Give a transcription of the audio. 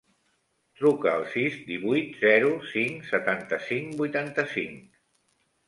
Truca al sis, divuit, zero, cinc, setanta-cinc, vuitanta-cinc.